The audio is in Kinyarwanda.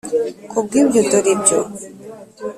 Ku bw ibyo dore ibyo